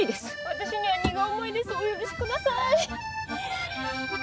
私には荷が重いですお許しください。